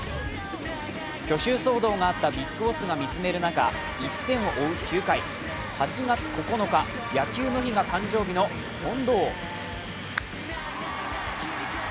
去就騒動があったＢＩＧＢＯＳＳが見つめる中１点を追う９回、８月９日、野球の日が誕生日の近藤。